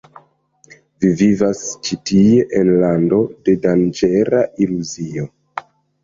Vi vivas ĉi tie en lando de danĝera iluzio.